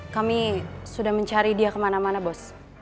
kami sudah mencari dia kemana mana bos